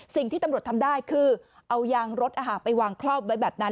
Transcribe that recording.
สิ่งที่ตำรวจทำได้คือเอายางรถไปวางครอบไว้แบบนั้น